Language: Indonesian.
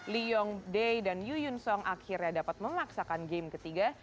lee yong dae dan yu yun song akhirnya dapat memaksakan game ketiga